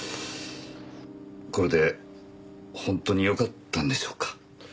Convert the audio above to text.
これで本当によかったんでしょうか？